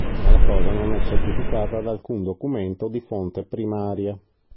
Ma la cosa non è certificata da alcun documento di fonte primaria.